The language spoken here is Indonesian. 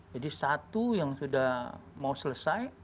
jadi satu yang sudah mau selesai